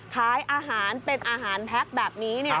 ขายอาหารเป็นอาหารแพ็คแบบนี้